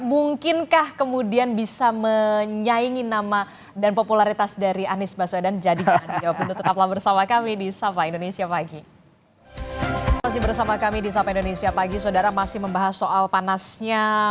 mungkinkah kemudian bisa menyaingi nama dan popularitas dari anies baswedan